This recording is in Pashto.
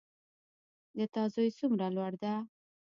د تا زوی څومره لوړ ده